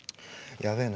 やべえな！